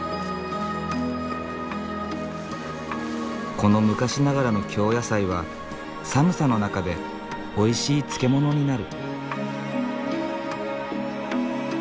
この昔ながらの京野菜は寒さの中でおいしい漬物になる。